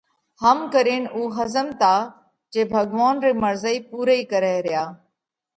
ھم ڪرينَ اُو ۿزمتا جي ڀڳوونَ رئِي مرضئِي پُورئِي ڪرئھ ريا۔